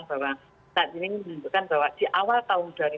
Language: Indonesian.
bahwa saat ini menunjukkan bahwa di awal tahun dua ribu dua puluh